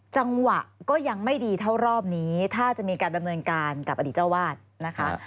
จังหวะก็ยังไม่ดีเท่ารอบนี้ถ้าจะมีการดำเนินการกับอดีตเจ้าวาดนะคะ